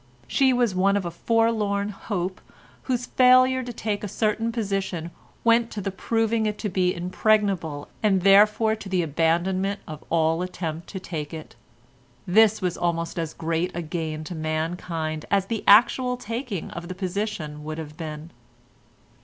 She was one of a forlorn hope whose failure to take a certain position went to the proving it to be impregnable and therefore to the abandonment of all attempt to take it. This was almost as great a gain to mankind as the actual taking of the position would have been.